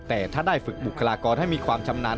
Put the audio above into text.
แต่ถ้าได้ฝึกบุคลากรให้มีความชำนาญ